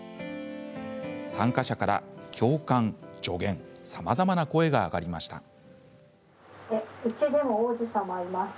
参加者から共感、助言さまざまな声が上がりました。